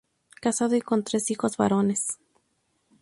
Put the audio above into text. Casado y con tres hijos varones.